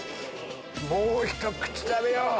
もうひと口食べよう。